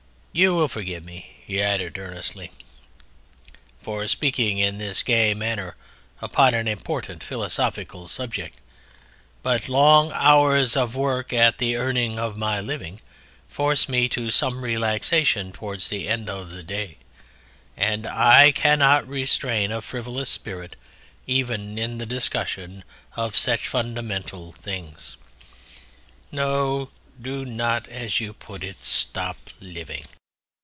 You will forgive me," he added earnestly, "for speaking in this gay manner upon an important philosophical subject, but long hours of work at the earning of my living force me to some relaxation towards the end of the day, and I cannot restrain a frivolous spirit even in the discussion of such fundamental things.... No, do not, as you put it, 'stop living.'